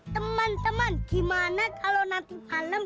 teman teman gimana kalau nanti malam